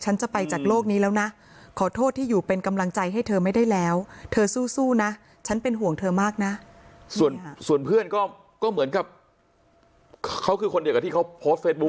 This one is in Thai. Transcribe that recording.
ฉันจะไปจากโลกนี้แล้วนะขอโทษที่อยู่เป็นกำลังใจให้เธอไม่ได้แล้วเธอสู้นะฉันเป็นห่วงเธอมากนะส่วนเพื่อนก็เหมือนกับเขาคือคนเดียวกับที่เขาโพสต์เฟซบุ๊